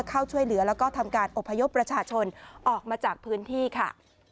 เข้าช่วยเหลือแล้วก็ทำการอบพยพประชาชนออกมาจากพื้นที่ค่ะ